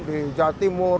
di jawa timur